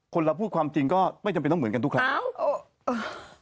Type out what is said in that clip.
เราพูดความจริงก็ไม่จำเป็นต้องเหมือนกันทุกครั้ง